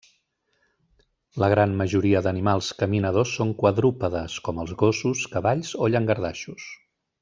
La gran majoria d'animals caminadors són quadrúpedes, com els gossos, cavalls o llangardaixos.